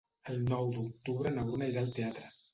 El nou d'octubre na Bruna irà al teatre.